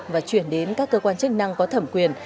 và chuyển đến các cơ quan chức năng có thẩm quyền